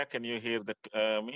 saya pikir ada masalah teknis